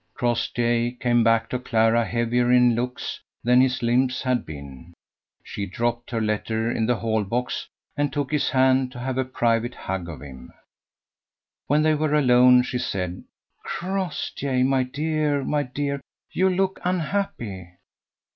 Crossjay came back to Clara heavier in looks than his limbs had been. She dropped her letter in the hall box, and took his hand to have a private hug of him. When they were alone, she said: "Crossjay, my dear, my dear! you look unhappy."